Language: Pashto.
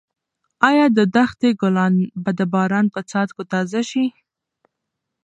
ایا د دښتې ګلان به د باران په څاڅکو تازه شي؟